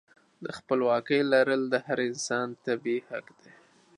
د خپلواکۍ لرل د هر انسان طبیعي حق دی.